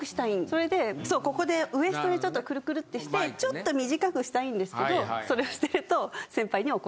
それでそうここでウエストでちょっとクルクルってしてちょっと短くしたいんですけどそれをしてると。